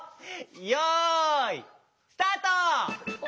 よいスタート！